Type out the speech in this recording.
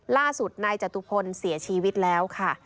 ล่าสุดนายจตุพลเสียชีวิตแล้วค่ะ